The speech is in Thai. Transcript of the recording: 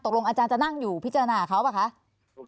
ตกลงอาจารย์จะนั่งอยู่พิจารณาเขาหรือเปล่าคะ